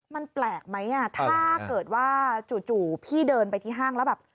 มันแปลกไหมอ่ะถ้าเกิดว่าจู่พี่เดินไปที่ห้างแล้วแบบ